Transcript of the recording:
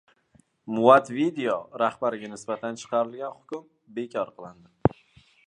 «Muvad-video» rahbariga nisbatan chiqarilgan hukm bekor qilindi